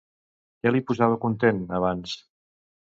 Què li posava content abans?